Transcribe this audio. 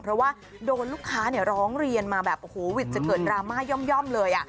เพราะว่าโดนลูกค้าร้องเรียนมาแบบโอ้โหวิทย์จะเกิดดราม่าย่อมเลย